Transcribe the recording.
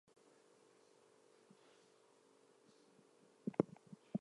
Her trade was Hull–Davis Strait.